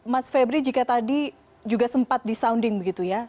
mas febri jika tadi juga sempat disounding begitu ya